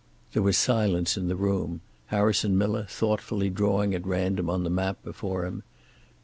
There was silence in the room, Harrison Miller thoughtfully drawing at random on the map before him.